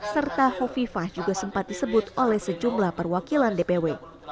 serta hovifah juga sempat disebut oleh sejumlah perwakilan dpw